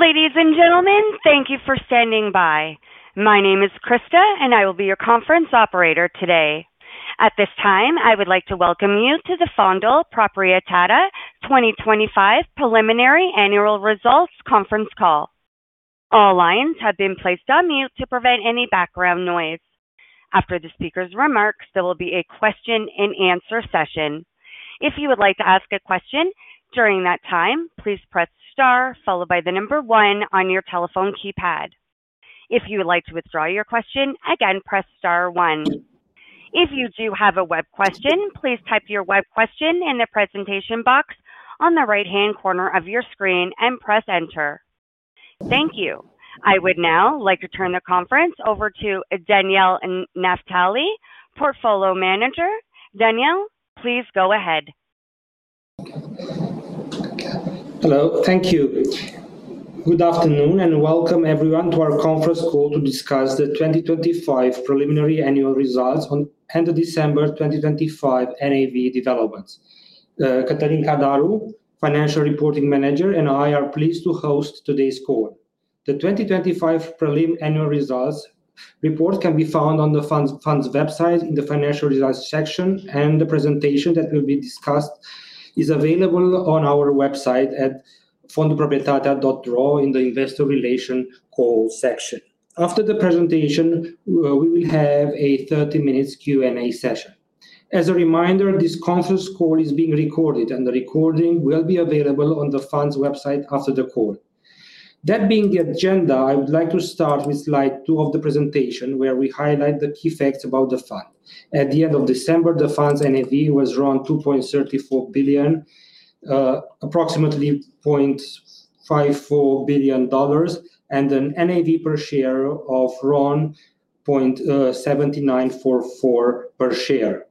Ladies and gentlemen, thank you for standing by. My name is Krista, and I will be your conference operator today. At this time, I would like to welcome you to the Fondul Proprietatea 2025 preliminary annual results conference call. All lines have been placed on mute to prevent any background noise. After the speaker's remarks, there will be a question-and-answer session. If you would like to ask a question during that time, please press star followed by the number one on your telephone keypad. If you would like to withdraw your question, again, press star one. If you do have a web question, please type your web question in the presentation box on the right-hand corner of your screen and press enter. Thank you. I would now like to turn the conference over to Daniel Naftali, Portfolio Manager. Daniel, please go ahead. Hello. Thank you. Good afternoon and welcome, everyone, to our conference call to discuss the 2025 preliminary annual results on end of December 2025 NAV developments. Cătălin Cadaru, Financial Reporting Manager, and I are pleased to host today's call. The 2025 prelim annual results report can be found on the Fund's website in the Financial Results section, and the presentation that will be discussed is available on our website at fondulproprietatea.ro in the Investor Relation call section. After the presentation, we will have a 30-minute Q&A session. As a reminder, this conference call is being recorded, and the recording will be available on the Fund's website after the call. That being the agenda, I would like to start with slide two of the presentation where we highlight the key facts about the Fund. At the end of December, the Fund's NAV was RON 2.34 billion, approximately $0.54 billion, and an NAV per share of RON 0.7944 per share.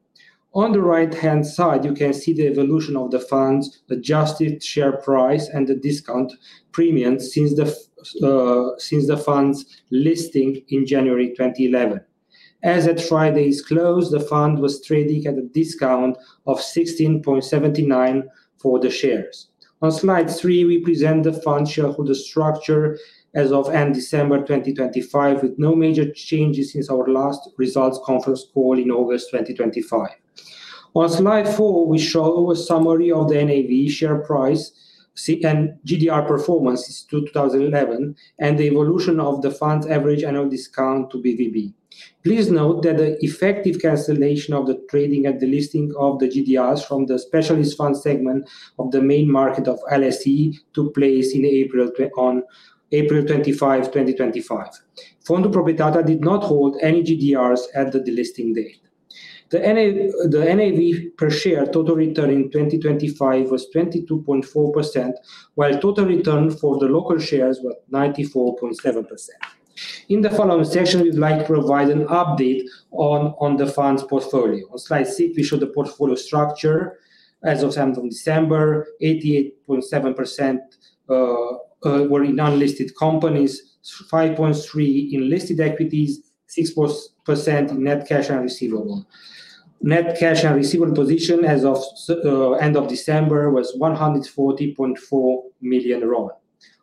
On the right-hand side, you can see the evolution of the Fund's adjusted share price and the discount premium since the Fund's listing in January 2011. As at Friday's close, the Fund was trading at a discount of 16.79% for the shares. On slide three, we present the Fund's shareholder structure as of end December 2025, with no major changes since our last results conference call in August 2025. On slide four, we show a summary of the NAV share price and GDR performance since 2011 and the evolution of the Fund's average annual discount to BVB. Please note that the effective cancellation of the trading at the listing of the GDRs from the specialist Fund segment of the main market of LSE took place on April 25, 2025. Fondul Proprietatea did not hold any GDRs at the listing date. The NAV per share total return in 2025 was 22.4%, while total return for the local shares was 94.7%. In the following session, we'd like to provide an update on the Fund's portfolio. On slide six, we show the portfolio structure as of end of December: 88.7% were in unlisted companies, 5.3% in listed equities, 6% in net cash and receivables. Net cash and receivables position as of end of December was RON 140.4 million.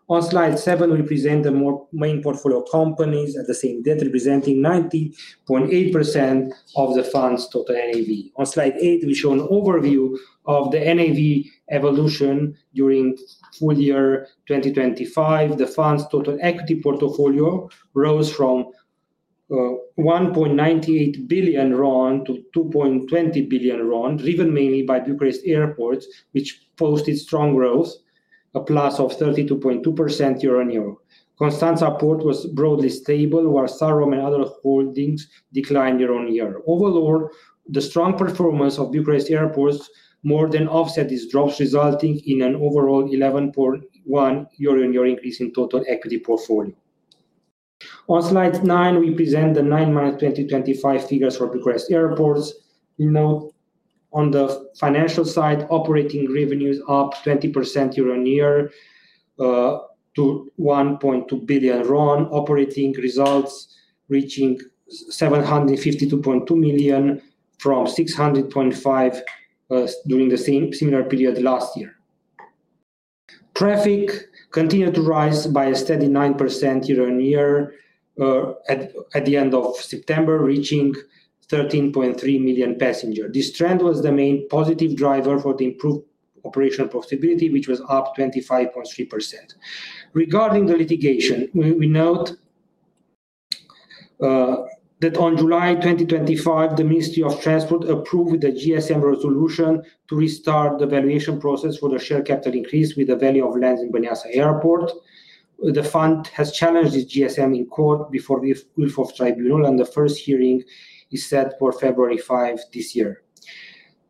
On slide seven, we present the main portfolio companies at the same date, representing 90.8% of the Fund's total NAV. On slide eight, we show an overview of the NAV evolution during full year 2025. The Fund's total equity portfolio rose from 1.98 billion RON to 2.20 billion RON, driven mainly by Bucharest Airport, which posted strong growth, a plus of 32.2% year-on-year. Constanța Port was broadly stable, while Salrom and other holdings declined year-on-year. Overall, the strong performance of Bucharest Airport more than offset these drops, resulting in an overall 11.1% year-on-year increase in total equity portfolio. On slide nine, we present the nine months 2025 figures for Bucharest Airport. We note on the financial side, operating revenues up 20% year-on-year to 1.2 billion RON, operating results reaching 752.2 million RON from 600.5 million RON during the same similar period last year. Traffic continued to rise by a steady 9% year-on-year at the end of September, reaching 13.3 million passengers. This trend was the main positive driver for the improved operational profitability, which was up 25.3%. Regarding the litigation, we note that on July 2025, the Ministry of Transport approved the GSM resolution to restart the valuation process for the share capital increase with the value of lands in Băneasa Airport. The Fund has challenged this GSM in court before the Ilfov Tribunal, and the first hearing is set for February 5 this year.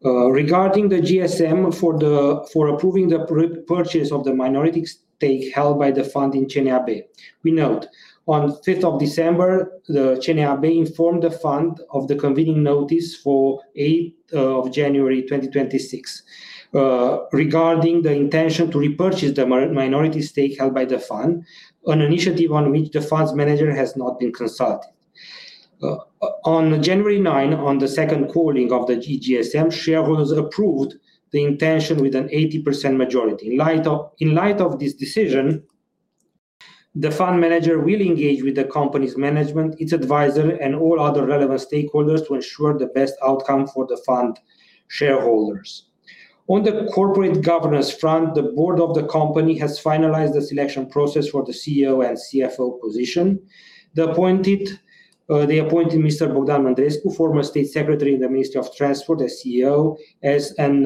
Regarding the GSM for approving the purchase of the minority stake held by the Fund in CNAB, we note on 5th of December, the CNAB informed the Fund of the convening notice for 8th of January 2026 regarding the intention to repurchase the minority stake held by the Fund, an initiative on which the Fund's manager has not been consulted. On January 9, on the second calling of the GSM, shareholders approved the intention with an 80% majority. In light of this decision, the Fund manager will engage with the company's management, its advisor, and all other relevant stakeholders to ensure the best outcome for the Fund shareholders. On the corporate governance front, the board of the company has finalized the selection process for the CEO and CFO position. They appointed Mr. Bogdan Mândrescu, former state secretary in the Ministry of Transport and CEO, and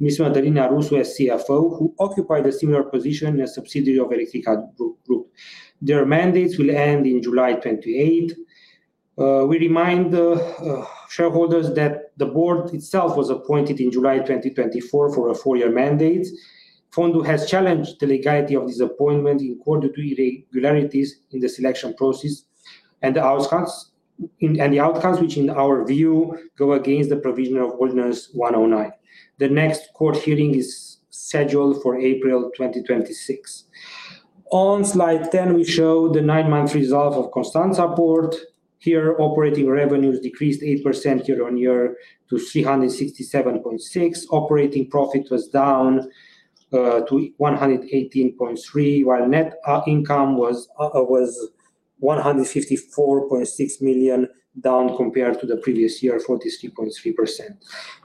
Ms. Mădălina Rusu as CFO, who occupied a similar position in a subsidiary of Electrica Group. Their mandates will end in July 28. We remind shareholders that the board itself was appointed in July 2024 for a four-year mandate. Fondul has challenged the legality of this appointment in court due to irregularities in the selection process and the outcomes, which in our view go against the provision of Ordinance 109. The next court hearing is scheduled for April 2026. On slide 10, we show the nine-month result of Constanța Port. Here, operating revenues decreased 8% year-on-year to 367.6 million RON. Operating profit was down to 118.3 million RON, while net income was 154.6 million RON, down compared to the previous year, 43.3%.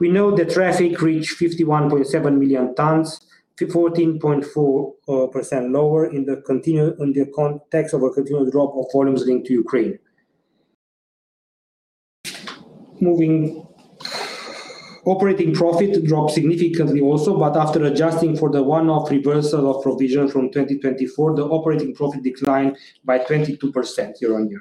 We note the traffic reached 51.7 million tons, 14.4% lower in the context of a continued drop of volumes linked to Ukraine. Operating profit dropped significantly also, but after adjusting for the one-off reversal of provision from 2024, the operating profit declined by 22% year-on-year.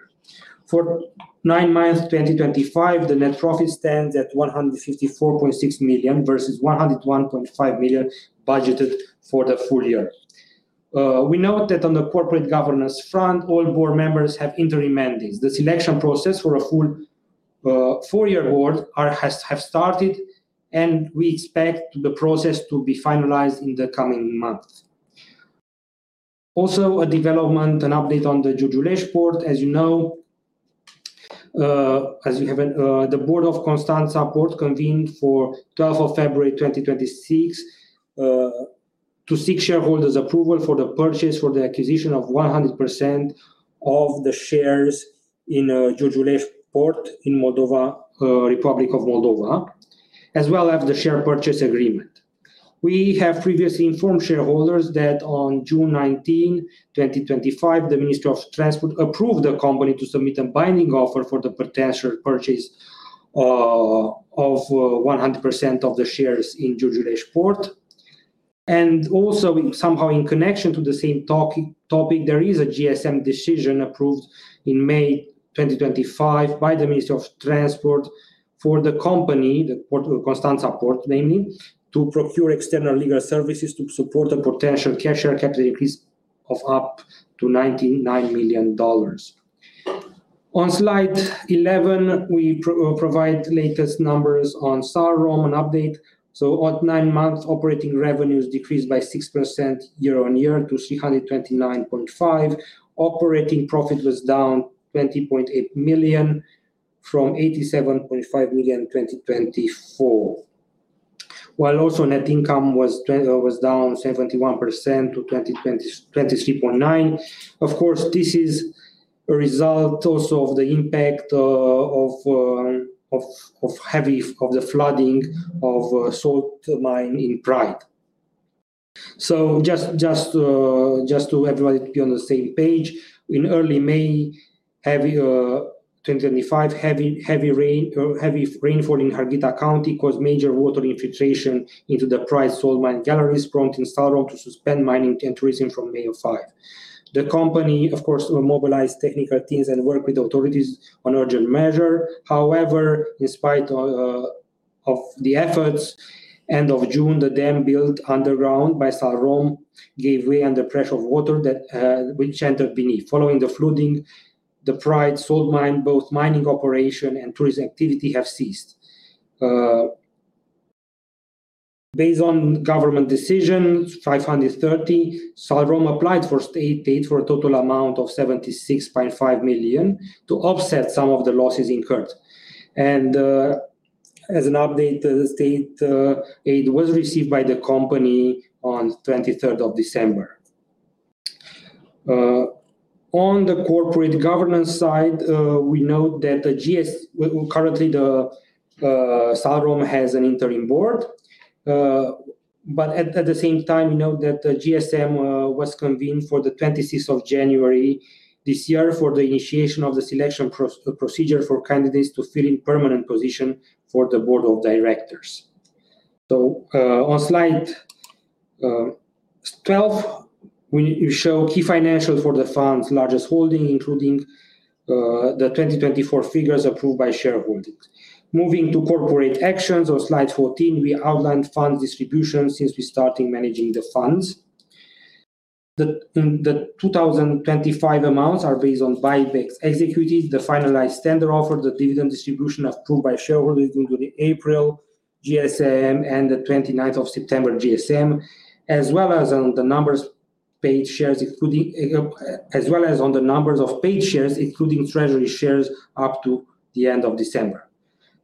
For nine months 2025, the net profit stands at 154.6 million RON versus 101.5 million RON budgeted for the full year. We note that on the corporate governance front, all board members have interim mandates. The selection process for a full four-year board has started, and we expect the process to be finalized in the coming month. Also, a development, an update on the Giurgiulești Port. As you know, the board of Constanța Port convened for 12th of February 2026 to seek shareholders' approval for the purchase for the acquisition of 100% of the shares in Giurgiulești Port in Moldova, Republic of Moldova, as well as the share purchase agreement. We have previously informed shareholders that on June 19, 2025, the Ministry of Transport approved the company to submit a binding offer for the potential purchase of 100% of the shares in Giurgiulești Port. Also, somehow in connection to the same topic, there is a GSM decision approved in May 2025 by the Ministry of Transport for the company, Constanța Port, namely, to procure external legal services to support a potential cash share capital increase of up to $99 million. On slide 11, we provide latest numbers on Salrom and update. At nine months, operating revenues decreased by 6% year-on-year to 329.5. Operating profit was down 20.8 million from 87.5 million in 2024, while net income was down 71% to 23.9. Of course, this is a result also of the impact of the flooding of a salt mine in Praid. Just to everybody to be on the same page, in early May 2025, heavy rainfall in Harghita County caused major water infiltration into the Praid salt mine galleries, prompting Salrom to suspend mining and tourism from May 5. The company, of course, mobilized technical teams and worked with authorities on urgent measures. However, in spite of the efforts, end of June, the dam built underground by Salrom gave way under pressure of water that which entered beneath. Following the flooding, the Praid salt mine, both mining operation and tourism activity have ceased. Based on Government Decision 530, Salrom applied for state aid for a total amount of RON 76.5 million to offset some of the losses incurred. As an update, the state aid was received by the company on 23rd of December. On the corporate governance side, we note that currently Salrom has an interim board, but at the same time, we note that the GSM was convened for the 26th of January this year for the initiation of the selection procedure for candidates to fill in permanent position for the board of directors. So on slide 12, we show key financials for the Fund's largest holding, including the 2024 figures approved by shareholders. Moving to corporate actions on slide 14, we outlined Fund's distribution since we started managing the Funds. The 2025 amounts are based on buybacks executed, the finalized tender offer, the dividend distribution approved by shareholders including April GSM and the 29th of September GSM, as well as on the numbers of paid shares, including treasury shares up to the end of December.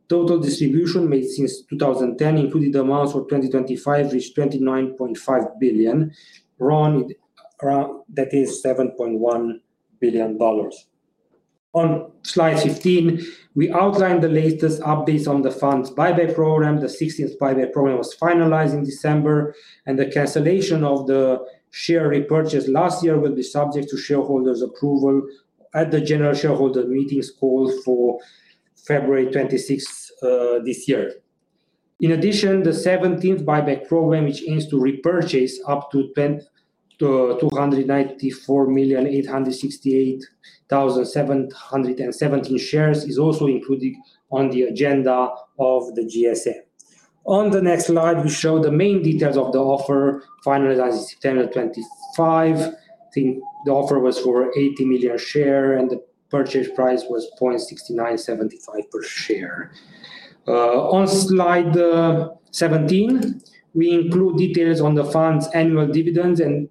Total distribution made since 2010, included the amounts for 2025, reached RON 29.5 billion, that is $7.1 billion. On slide 15, we outlined the latest updates on the Fund's buyback program. The 16th buyback program was finalized in December, and the cancellation of the share repurchase last year will be subject to shareholders' approval at the general shareholder meetings called for February 26 this year. In addition, the 17th buyback program, which aims to repurchase up to 294,868,717 shares, is also included on the agenda of the GSM. On the next slide, we show the main details of the offer finalized in September 25. The offer was for 80 million share, and the purchase price was 0.6975 per share. On slide 17, we include details on the Fund's annual dividends and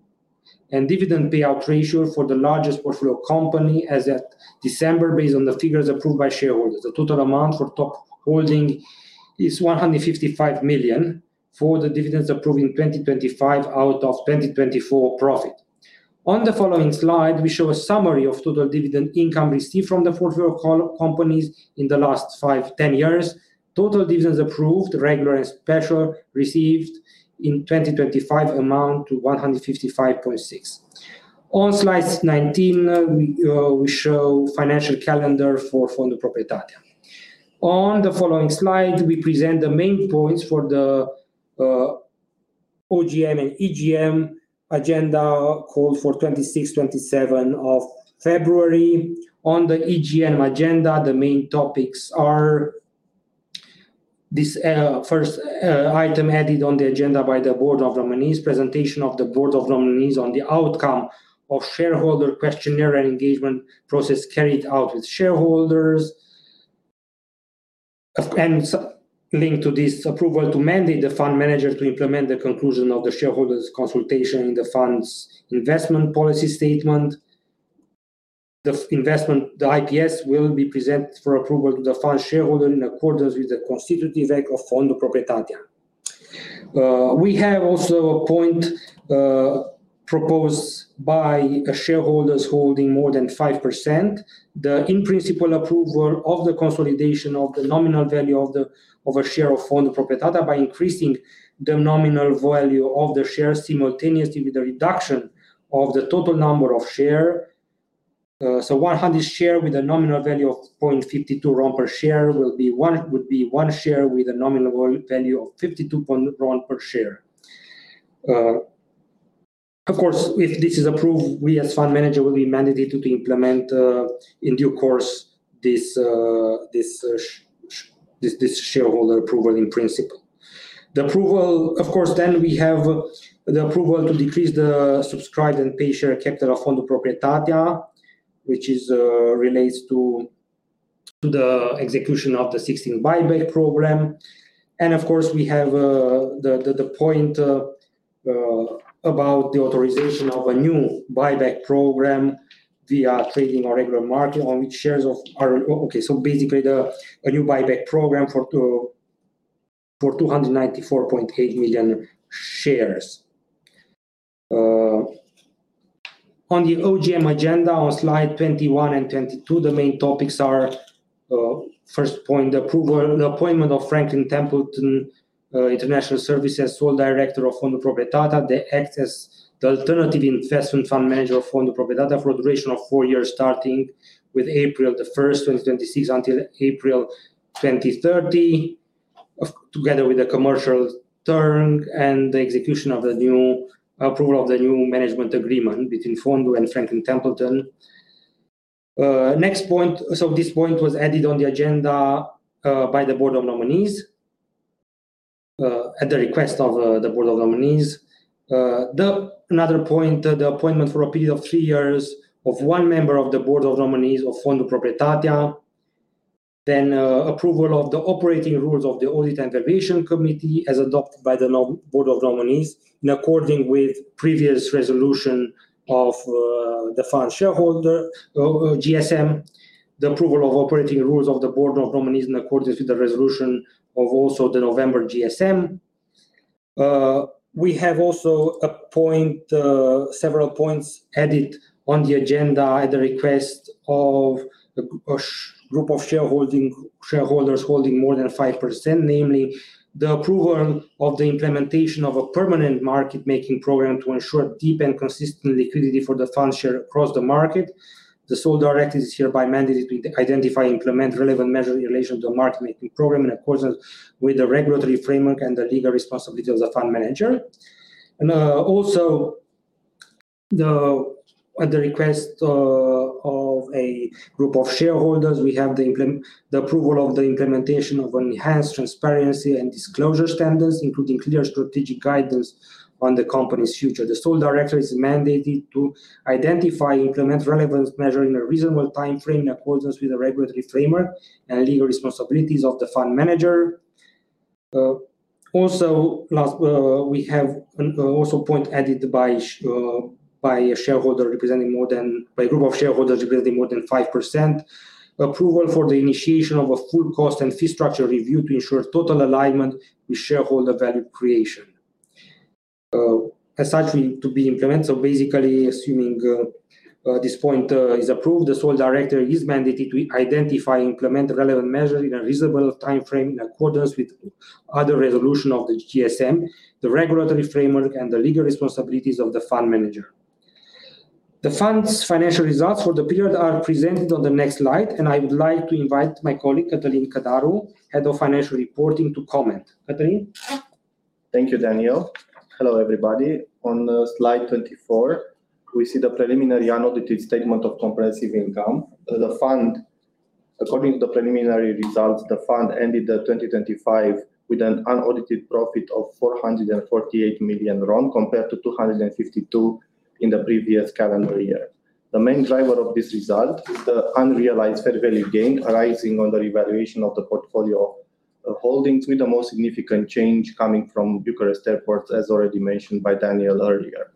dividend payout ratio for the largest portfolio company as of December, based on the figures approved by shareholders. The total amount for top holding is RON 155 million for the dividends approved in 2025 out of 2024 profit. On the following slide, we show a summary of total dividend income received from the portfolio companies in the last 5-10 years. Total dividends approved, regular and special received in 2025 amount to RON 155.6 million. On slide 19, we show financial calendar for Fondul Proprietatea. On the following slide, we present the main points for the OGM and EGM agenda called for 26, 27 of February. On the EGM agenda, the main topics are this first item added on the agenda by the Board of Nominees: presentation of the Board of Nominees on the outcome of shareholder questionnaire and engagement process carried out with shareholders, and link to this approval to mandate the Fund manager to implement the conclusion of the shareholders' consultation in the Fund's investment policy statement. The investment, the IPS, will be presented for approval to the Fund shareholder in accordance with the constitutive act of Fondul Proprietatea. We have also a point proposed by shareholders holding more than 5%, the in-principle approval of the consolidation of the nominal value of a share of Fondul Proprietatea by increasing the nominal value of the shares simultaneously with the reduction of the total number of shares. So 100 shares with a nominal value of 0.52 RON per share would be one share with a nominal value of 52 RON per share. Of course, if this is approved, we as Fund manager will be mandated to implement in due course this shareholder approval in principle. The approval, of course, then we have the approval to decrease the subscribed and paid share capital of Fondul Proprietatea, which relates to the execution of the 16 buyback program. Of course, we have the point about the authorization of a new buyback program via trading or regular market on which shares are, okay, so basically a new buyback program for 294.8 million shares. On the OGM agenda on slide 21 and 22, the main topics are first point, the appointment of Franklin Templeton International Services as Sole Director of Fondul Proprietatea, as the alternative investment fund manager of Fondul Proprietatea for a duration of four years starting with April 1, 2026 until April 2030, together with the commercial term and the execution of the new approval of the new management agreement between Fondul and Franklin Templeton. Next point, so this point was added on the agenda by the Board of Nominees at the request of the Board of Nominees. Another point, the appointment for a period of three years of one member of the Board of Nominees of Fondul Proprietatea, then approval of the operating rules of the Audit and Valuation Committee as adopted by the Board of Nominees in accordance with previous resolution of the Fund shareholder GSM, the approval of operating rules of the Board of Nominees in accordance with the resolution of also the November GSM. We have also a point, several points added on the agenda at the request of a group of shareholders holding more than 5%, namely the approval of the implementation of a permanent market-making program to ensure deep and consistent liquidity for the Fund share across the market. The Sole Director is hereby mandated to identify, implement relevant measures in relation to the market-making program in accordance with the regulatory framework and the legal responsibility of the Fund manager. And also at the request of a group of shareholders, we have the approval of the implementation of enhanced transparency and disclosure standards, including clear strategic guidance on the company's future. The Sole Director is mandated to identify, implement relevant measures in a reasonable timeframe in accordance with the regulatory framework and legal responsibilities of the Fund manager. Also, we have a point added by a group of shareholders representing more than 5% approval for the initiation of a full cost and fee structure review to ensure total alignment with shareholder value creation. As such, to be implemented. So basically, assuming this point is approved, the Sole Director is mandated to identify, implement relevant measures in a reasonable timeframe in accordance with other resolutions of the GSM, the regulatory framework, and the legal responsibilities of the Fund manager. The Fund's financial results for the period are presented on the next slide, and I would like to invite my colleague Cătălin Cadaru, Head of Financial Reporting, to comment. Cătălin? Thank you, Daniel. Hello everybody. On slide 24, we see the preliminary unaudited statement of comprehensive income. According to the preliminary results, the Fund ended the 2025 with an unaudited profit of 448 million RON compared to 252 in the previous calendar year. The main driver of this result is the unrealized fair value gain arising under evaluation of the portfolio of holdings, with the most significant change coming from Bucharest Airport, as already mentioned by Daniel earlier.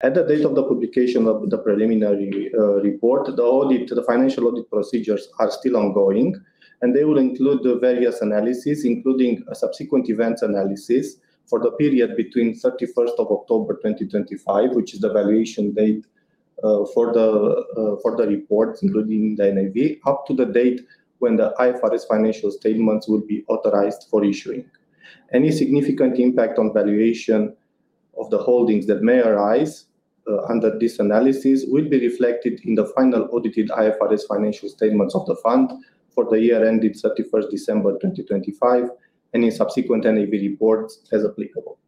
At the date of the publication of the preliminary report, the financial audit procedures are still ongoing, and they will include various analyses, including subsequent events analysis for the period between 31st of October 2025, which is the valuation date for the reports, including the NAV, up to the date when the IFRS financial statements will be authorized for issuing. Any significant impact on valuation of the holdings that may arise under this analysis will be reflected in the final audited IFRS financial statements of the Fund for the year ended 31st December 2025 and in subsequent NAV reports as applicable.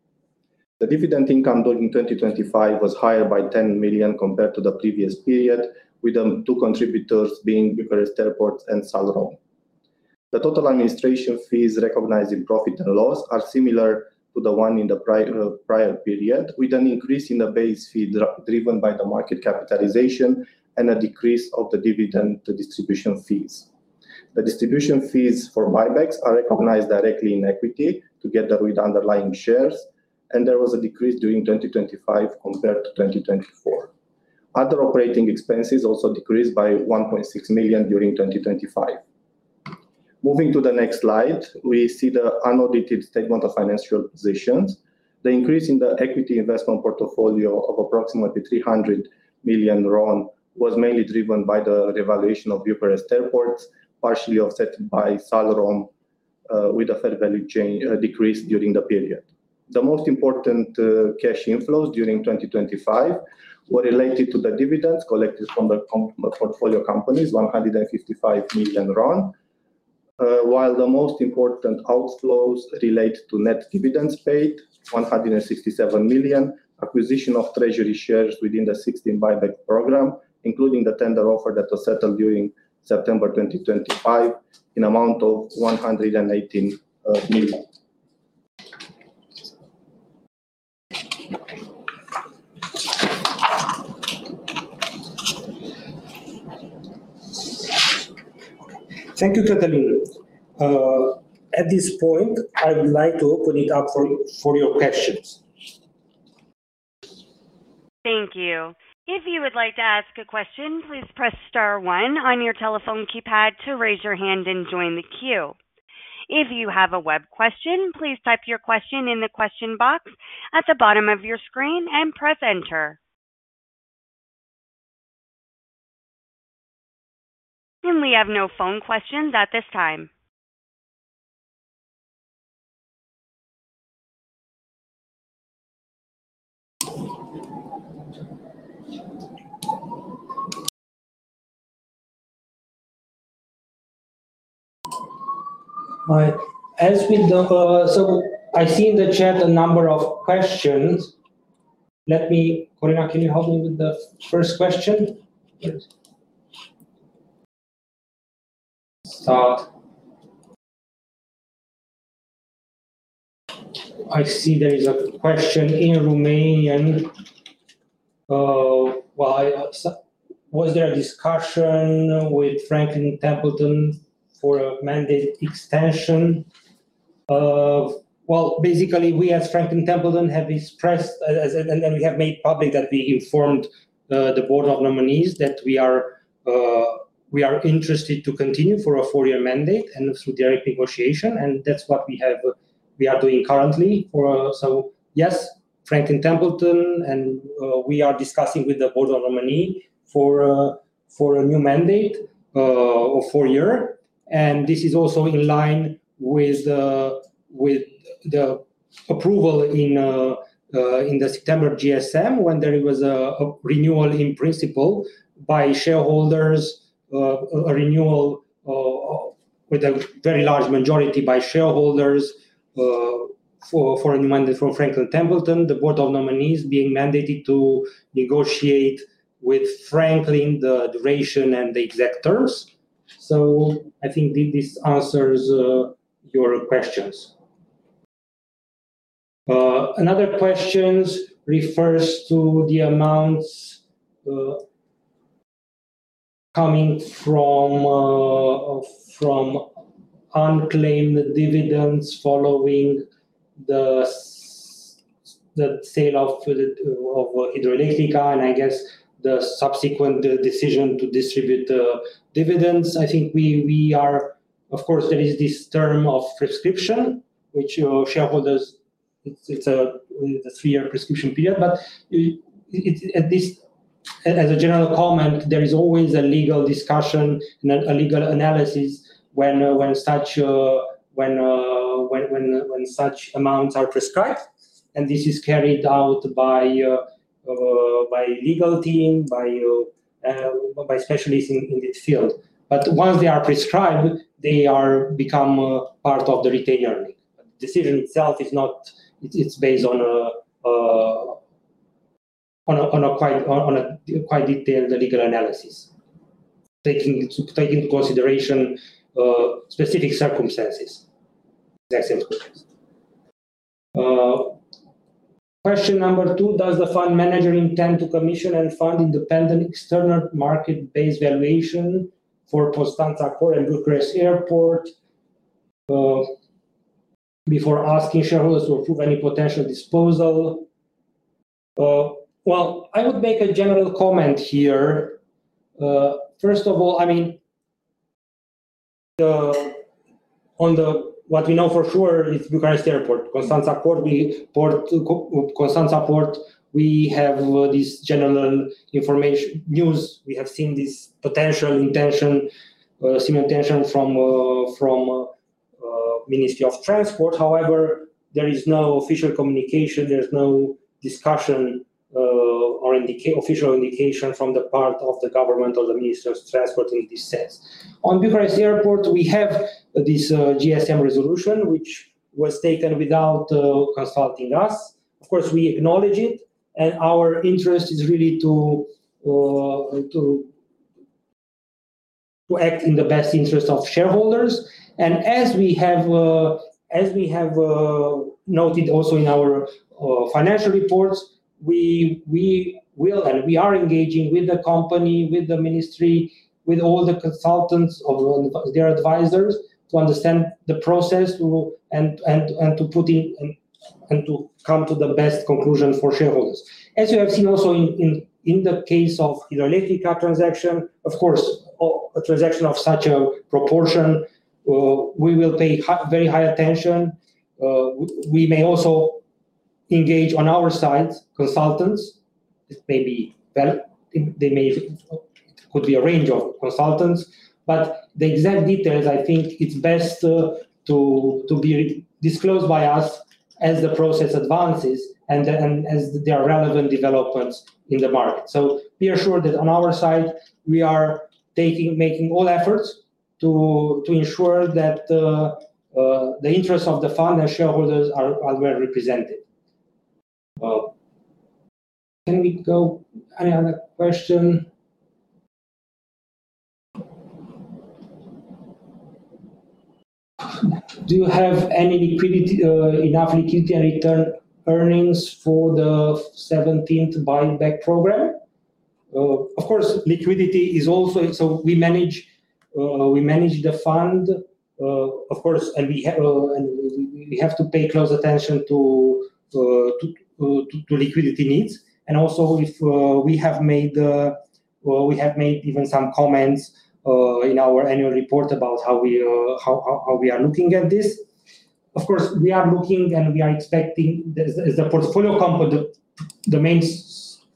The dividend income during 2025 was higher by RON 10 million compared to the previous period, with the two contributors being Bucharest Airport and Salrom. The total administration fees recognized in profit and loss are similar to the one in the prior period, with an increase in the base fee driven by the market capitalization and a decrease of the dividend distribution fees. The distribution fees for buybacks are recognized directly in equity together with underlying shares, and there was a decrease during 2025 compared to 2024. Other operating expenses also decreased by 1.6 million RON during 2025. Moving to the next slide, we see the unaudited statement of financial positions. The increase in the equity investment portfolio of approximately 300 million RON was mainly driven by the revaluation of Bucharest Airport, partially offset by Salrom with a fair value decrease during the period. The most important cash inflows during 2025 were related to the dividends collected from the portfolio companies, 155 million RON, while the most important outflows relate to net dividends paid, 167 million RON, acquisition of treasury shares within the 2016 buyback program, including the tender offer that was settled during September 2025 in the amount of 118 million RON. Thank you, Cătălin. At this point, I would like to open it up for your questions. Thank you. If you would like to ask a question, please press star one on your telephone keypad to raise your hand and join the queue. If you have a web question, please type your question in the question box at the bottom of your screen and press enter. And we have no phone questions at this time. All right. So I see in the chat a number of questions. Let me, Corina, can you help me with the first question? Start. I see there is a question in Romanian. Was there a discussion with Franklin Templeton for a mandate extension? Well, basically, we as Franklin Templeton have expressed, and we have made public that we informed the Board of Nominees that we are interested to continue for a four-year mandate and through direct negotiation, and that's what we are doing currently. So yes, Franklin Templeton, and we are discussing with the Board of Nominees for a new mandate of four years, and this is also in line with the approval in the September GSM when there was a renewal in principle by shareholders, a renewal with a very large majority by shareholders for a new mandate from Franklin Templeton. The Board of Nominees being mandated to negotiate with Franklin the duration and the exact terms. I think this answers your questions. Another question refers to the amounts coming from unclaimed dividends following the sale of Hidroelectrica and I guess the subsequent decision to distribute the dividends. I think we are, of course, there is this term of prescription, which shareholders, it's a three-year prescription period, but at least as a general comment, there is always a legal discussion and a legal analysis when such amounts are prescribed, and this is carried out by legal team, by specialists in this field. But once they are prescribed, they become part of the retained earnings. The decision itself is not, it's based on a quite detailed legal analysis, taking into consideration specific circumstances. Question number two, does the Fund manager intend to commission and fund independent external market-based valuation for Constanța Port and Bucharest Airport before asking shareholders to approve any potential disposal? I would make a general comment here. First of all, I mean, on what we know for sure is Bucharest Airport, Constanța Port, we have this general news. We have seen this potential intention, similar intention from the Ministry of Transport. However, there is no official communication, there's no discussion or official indication from the part of the government or the Ministry of Transport in this sense. On Bucharest Airport, we have this GSM resolution which was taken without consulting us. Of course, we acknowledge it, and our interest is really to act in the best interest of shareholders. And as we have noted also in our financial reports, we will and we are engaging with the company, with the Ministry, with all the consultants of their advisors to understand the process and to put in and to come to the best conclusion for shareholders. As you have seen also in the case of Hidroelectrica transaction, of course, a transaction of such a proportion, we will pay very high attention. We may also engage on our side consultants. It may be well, it could be a range of consultants, but the exact details, I think it's best to be disclosed by us as the process advances and as there are relevant developments in the market. So be assured that on our side, we are making all efforts to ensure that the interests of the Fund and shareholders are well represented. Can we go? Any other question? Do you have enough liquidity and retained earnings for the 17th buyback program? Of course, liquidity is also, so we manage the Fund, of course, and we have to pay close attention to liquidity needs. And also, we have made even some comments in our annual report about how we are looking at this. Of course, we are looking and we are expecting, as the portfolio company, the main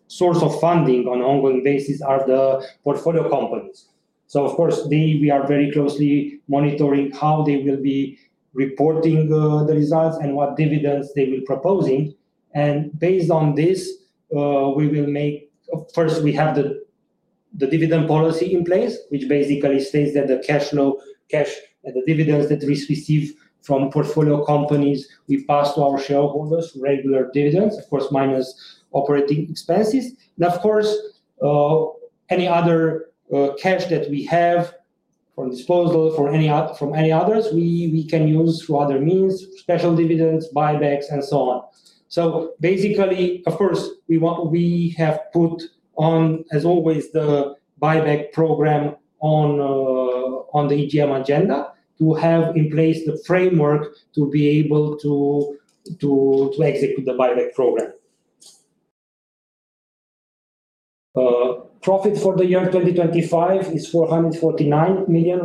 source of funding on an ongoing basis are the portfolio companies. So of course, we are very closely monitoring how they will be reporting the results and what dividends they will be proposing. And based on this, we will make, first, we have the dividend policy in place, which basically states that the cash flow, cash and the dividends that we receive from portfolio companies, we pass to our shareholders regular dividends, of course, minus operating expenses. And of course, any other cash that we have for disposal from any others, we can use for other means, special dividends, buybacks, and so on. So basically, of course, we have put on, as always, the buyback program on the EGM agenda to have in place the framework to be able to execute the buyback program. Profit for the year 2025 is RON 449 million.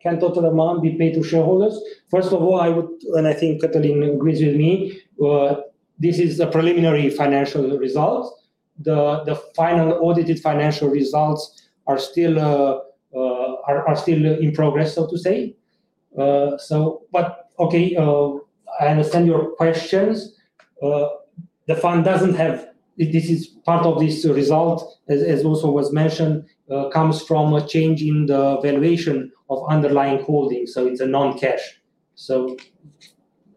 Can total amount be paid to shareholders? First of all, I would, and I think Cătălin agrees with me, this is a preliminary financial result. The final audited financial results are still in progress, so to say. But okay, I understand your questions. The Fund doesn't have, this is part of this result, as also was mentioned, comes from a change in the valuation of underlying holdings. So it's a non-cash. So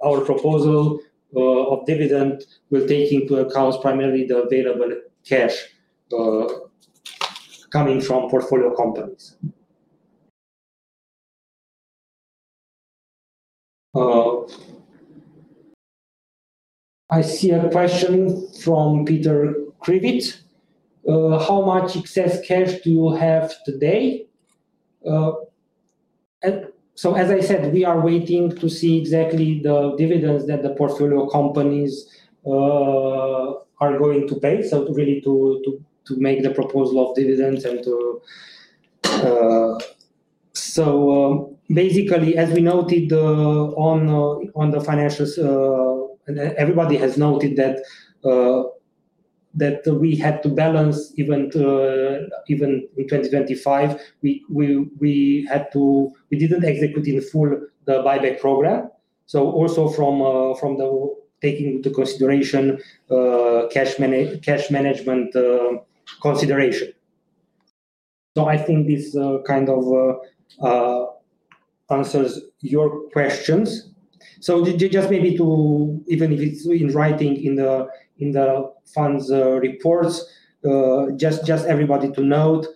our proposal of dividend will take into account primarily the available cash coming from portfolio companies. I see a question from Peter Crivit. How much excess cash do you have today? As I said, we are waiting to see exactly the dividends that the portfolio companies are going to pay. Really to make the proposal of dividends and to, so basically, as we noted on the financials, everybody has noted that we had to balance even in 2025, we didn't execute in full the buyback program. Also from taking into consideration cash management consideration. I think this kind of answers your questions. Just maybe to, even if it's in writing in the Fund's reports, just everybody to note,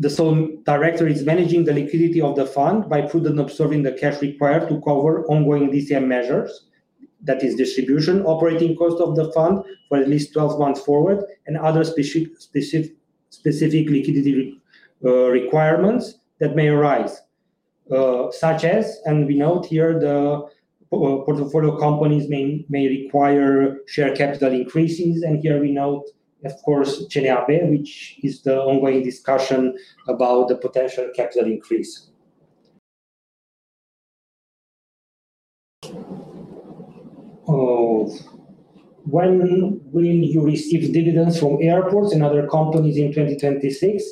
the sole director is managing the liquidity of the Fund by prudently observing the cash required to cover ongoing DCM measures, that is distribution, operating cost of the Fund for at least 12 months forward, and other specific liquidity requirements that may arise, such as, and we note here, the portfolio companies may require share capital increases. Here we note, of course, CNAB, which is the ongoing discussion about the potential capital increase. When will you receive dividends from airports and other companies in 2026?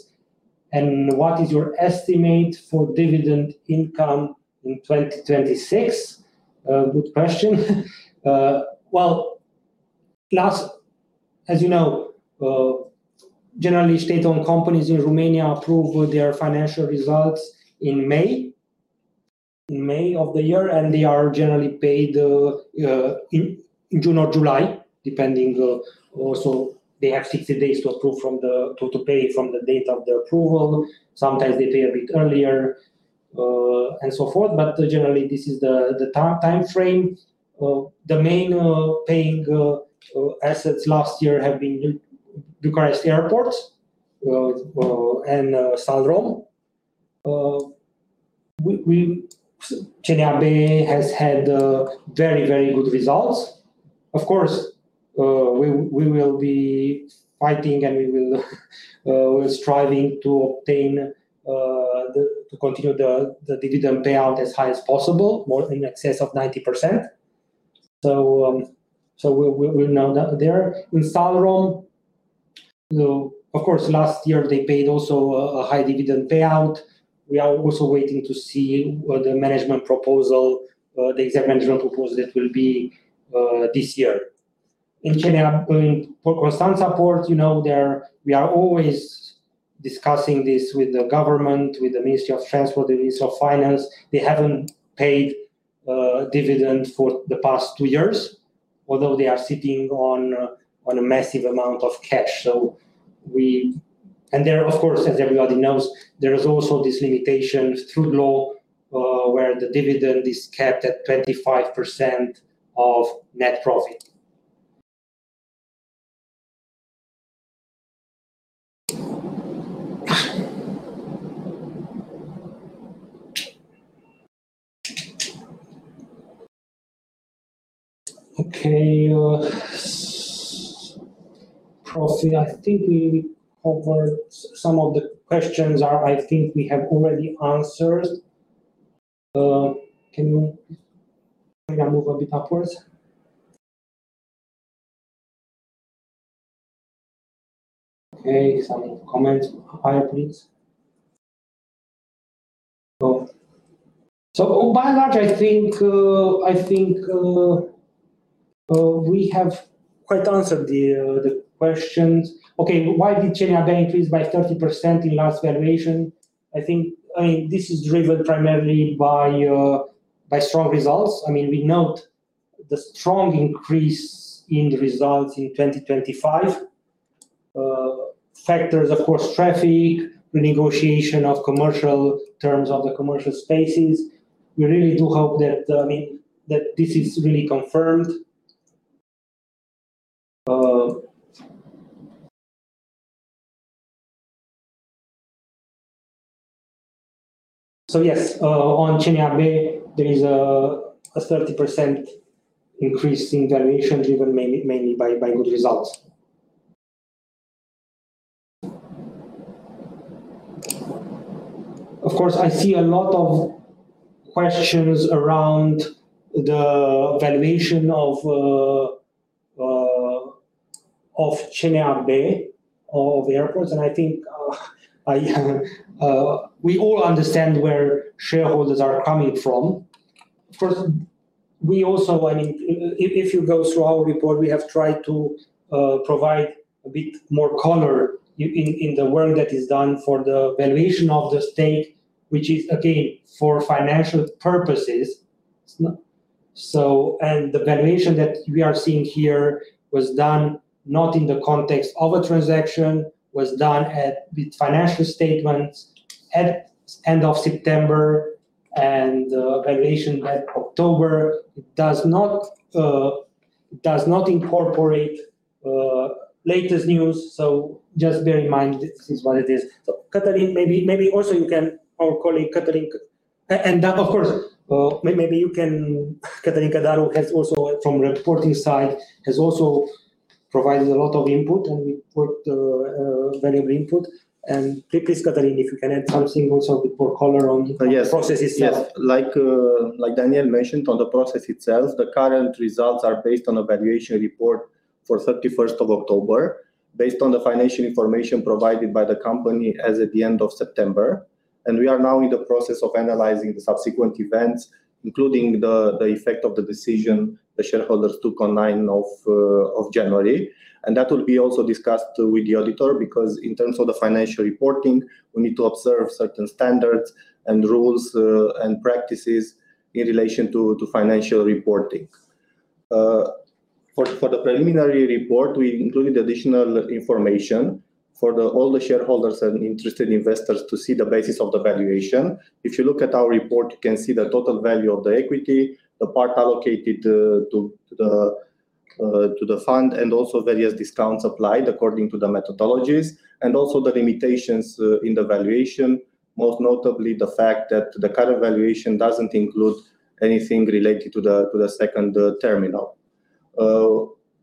And what is your estimate for dividend income in 2026? Good question. As you know, generally, state-owned companies in Romania approve their financial results in May of the year, and they are generally paid in June or July, depending also, they have 60 days to approve from the date of the approval. Sometimes they pay a bit earlier and so forth, but generally, this is the time frame. The main paying assets last year have been Bucharest Airport and Salrom. CNAB has had very, very good results. Of course, we will be fighting and we will be striving to continue the dividend payout as high as possible, more in excess of 90%. So we'll know that there. In Salrom, of course, last year, they paid also a high dividend payout. We are also waiting to see the management proposal, the executive management proposal that will be this year. In CNAB, in Constanța Port, we are always discussing this with the government, with the Ministry of Transport, the Ministry of Finance. They haven't paid dividend for the past two years, although they are sitting on a massive amount of cash. And of course, as everybody knows, there is also this limitation through law where the dividend is capped at 25% of net profit. Okay. Profit, I think we covered some of the questions I think we have already answered. Can you move a bit upwards? Okay. Some comments higher, please. So by and large, I think we have quite answered the questions. Okay. Why did CNAB increase by 30% in last valuation? I think this is driven primarily by strong results. I mean, we note the strong increase in the results in 2025. Factors, of course, traffic, renegotiation of commercial terms of the commercial spaces. We really do hope that this is really confirmed. So yes, on CNAB, there is a 30% increase in valuation driven mainly by good results. Of course, I see a lot of questions around the valuation of CNAB, of airports, and I think we all understand where shareholders are coming from. Of course, we also, I mean, if you go through our report, we have tried to provide a bit more color in the work that is done for the valuation of the assets, which is, again, for financial purposes. The valuation that we are seeing here was done not in the context of a transaction. It was done with financial statements at the end of September and valuation at October. It does not incorporate latest news. So just bear in mind, this is what it is. Cătălin, maybe also you can, our colleague Cătălin, and of course, maybe you can. Cătălin Cadaru has also from reporting side, has also provided a lot of input and valuable input. And please, Cătălin, if you can add something also a bit more color on the process itself. Yes. Like Daniel mentioned on the process itself, the current results are based on a valuation report for 31st of October, based on the financial information provided by the company as at the end of September. We are now in the process of analyzing the subsequent events, including the effect of the decision the shareholders took on 9th of January. That will be also discussed with the auditor because in terms of the financial reporting, we need to observe certain standards and rules and practices in relation to financial reporting. For the preliminary report, we included additional information for all the shareholders and interested investors to see the basis of the valuation. If you look at our report, you can see the total value of the equity, the part allocated to the Fund, and also various discounts applied according to the methodologies, and also the limitations in the valuation, most notably the fact that the current valuation doesn't include anything related to the second terminal.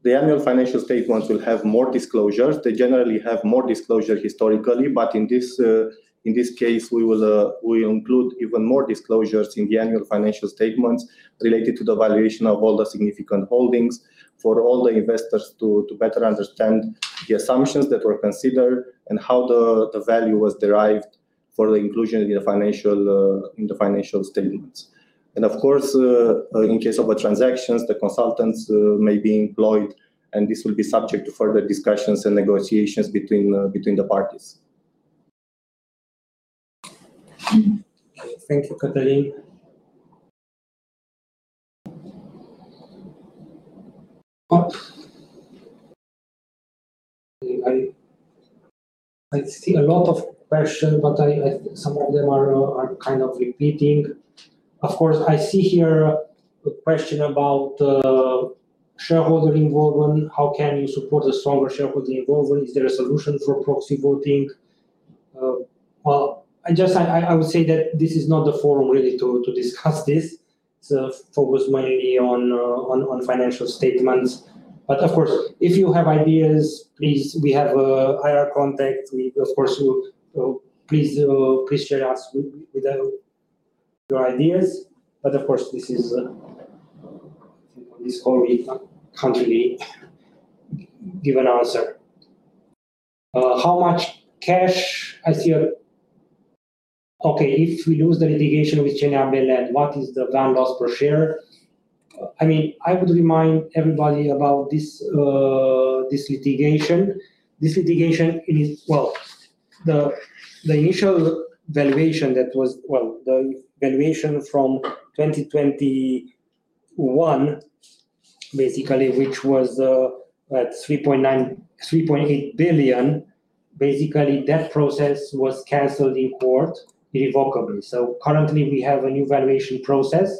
The annual financial statements will have more disclosures. They generally have more disclosures historically, but in this case, we will include even more disclosures in the annual financial statements related to the valuation of all the significant holdings for all the investors to better understand the assumptions that were considered and how the value was derived for the inclusion in the financial statements, and of course, in case of transactions, the consultants may be employed, and this will be subject to further discussions and negotiations between the parties. Thank you, Cătălin. I see a lot of questions, but some of them are kind of repeating. Of course, I see here a question about shareholder involvement. How can you support a stronger shareholder involvement? Is there a solution for proxy voting, well, I would say that this is not the forum really to discuss this. It's focused mainly on financial statements. But of course, if you have ideas, please, we have IR contact. Of course, please share us with your ideas. But of course, this is a country given answer. How much cash? I see a, okay, if we lose the litigation with CNAB, what is the NAV loss per share? I mean, I would remind everybody about this litigation. This litigation, well, the initial valuation that was, well, the valuation from 2021, basically, which was at 3.8 billion RON, basically that process was canceled in court irrevocably. So currently, we have a new valuation process.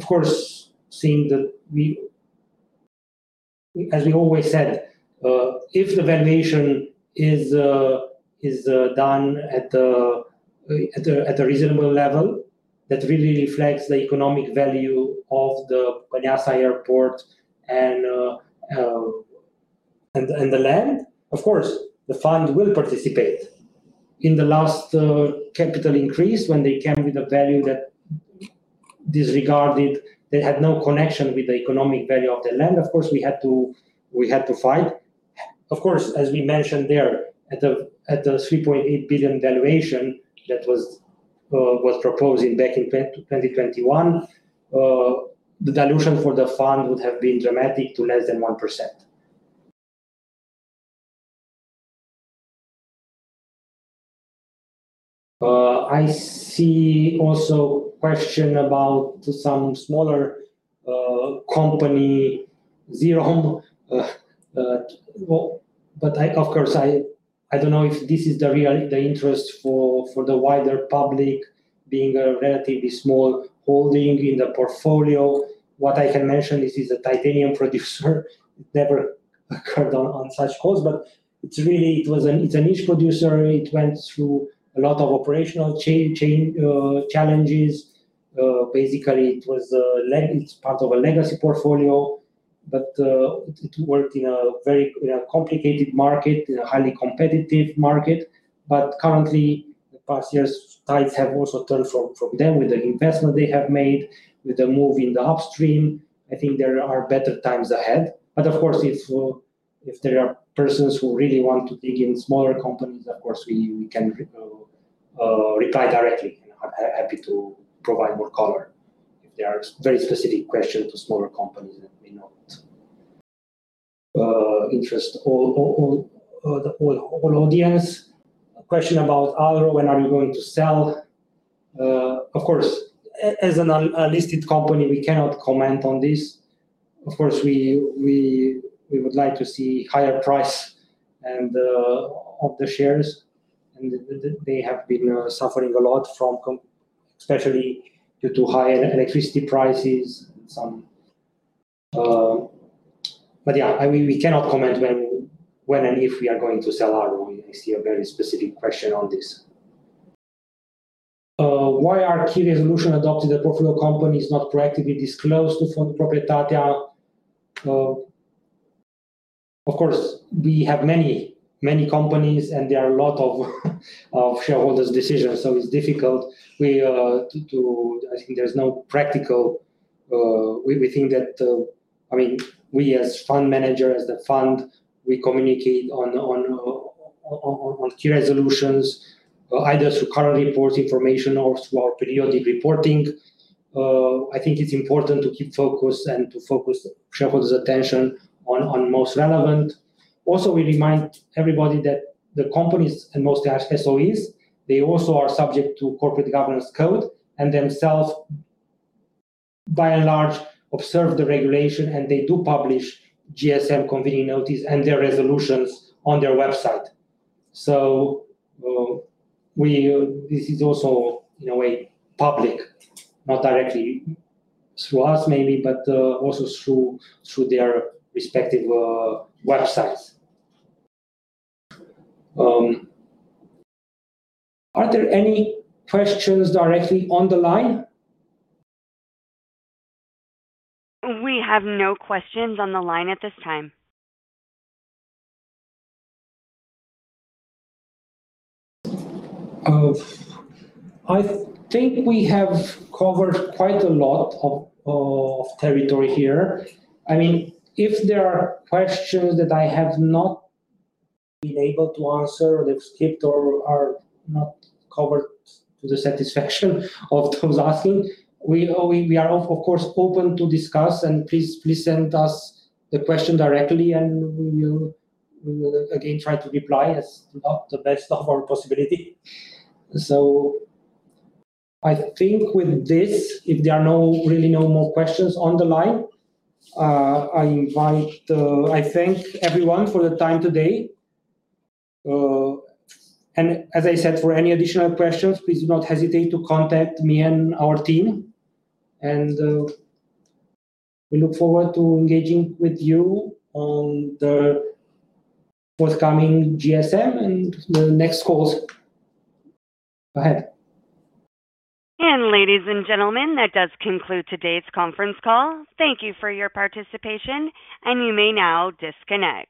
Of course, seeing that we, as we always said, if the valuation is done at a reasonable level, that really reflects the economic value of the Băneasa Airport and the land, of course, the Fund will participate. In the last capital increase, when they came with a value that disregarded, they had no connection with the economic value of the land. Of course, we had to fight. Of course, as we mentioned there, at the 3.8 billion valuation that was proposed back in 2021, the dilution for the Fund would have been dramatic to less than 1%. I see also a question about some smaller company, Zirom, but of course, I don't know if this is the interest for the wider public being a relatively small holding in the portfolio. What I can mention is it's a titanium producer. It never occurred on such calls, but it's really, it was a niche producer. It went through a lot of operational challenges. Basically, it's part of a legacy portfolio, but it worked in a very complicated market, in a highly competitive market. But currently, the past year's tides have also turned from them with the investment they have made, with the move in the upstream. I think there are better times ahead. But of course, if there are persons who really want to dig in smaller companies, of course, we can reply directly and are happy to provide more color if there are very specific questions to smaller companies that we know interest all audience. A question about Alro, when are you going to sell? Of course, as a listed company, we cannot comment on this. Of course, we would like to see higher price of the shares, and they have been suffering a lot from, especially due to higher electricity prices. But yeah, we cannot comment when and if we are going to sell Alro. I see a very specific question on this. Why are key resolutions adopted at portfolio companies not proactively disclosed to Fondul Proprietatea? Of course, we have many companies and there are a lot of shareholders' decisions, so it's difficult. I think there's no practical. We think that, I mean, we as Fund managers, as the Fund, we communicate on key resolutions, either through current report information or through our periodic reporting. I think it's important to keep focus and to focus shareholders' attention on most relevant. Also, we remind everybody that the companies and most SOEs, they also are subject to corporate governance code and themselves, by and large, observe the regulation, and they do publish GSM convening notice and their resolutions on their website. So this is also in a way public, not directly through us maybe, but also through their respective websites. Are there any questions directly on the line? We have no questions on the line at this time. I think we have covered quite a lot of territory here. I mean, if there are questions that I have not been able to answer or they've skipped or are not covered to the satisfaction of those asking, we are, of course, open to discuss, and please send us the question directly, and we will again try to reply as to the best of our possibility, so I think with this, if there are really no more questions on the line, I invite, I thank everyone for the time today, and as I said, for any additional questions, please do not hesitate to contact me and our team, and we look forward to engaging with you on the forthcoming GSM and the next calls. Go ahead. And ladies and gentlemen, that does conclude today's conference call. Thank you for your participation, and you may now disconnect.